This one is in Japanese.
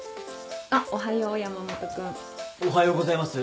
あっおはよう山本君。おはようございます。